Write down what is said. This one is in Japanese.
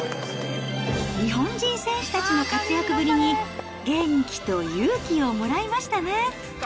日本人選手たちの活躍ぶりに、元気と勇気をもらいましたね。